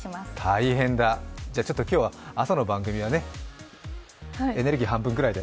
大変だ、じゃちょっと今日は朝の番組はエネルギー半分ぐらいで。